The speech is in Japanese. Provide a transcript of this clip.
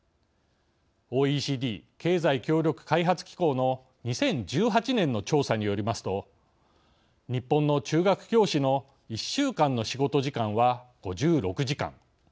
ＯＥＣＤ＝経済協力開発機構の２０１８年の調査によりますと日本の中学教師の１週間の仕事時間は５６時間。